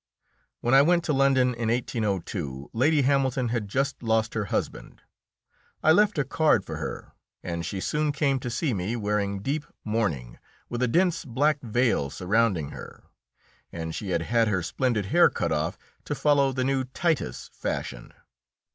When I went to London in 1802 Lady Hamilton had just lost her husband. I left a card for her, and she soon came to see me, wearing deep mourning, with a dense black veil surrounding her, and she had had her splendid hair cut off to follow the new "Titus" fashion.